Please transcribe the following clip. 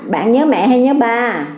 bạn nhớ mẹ hay nhớ ba